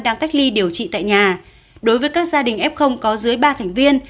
đang cách ly điều trị tại nhà đối với các gia đình f có dưới ba thành viên